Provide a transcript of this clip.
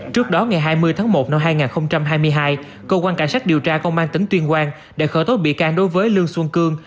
trước đó ngày hai mươi tháng một năm hai nghìn hai mươi hai cơ quan cảnh sát điều tra công an tỉnh tuyên quang đã khởi tố bị can đối với lương xuân cương